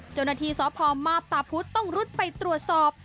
เจ้าหน้าที่สพมาพตาพุธต้องรุดไปตรวจสอบ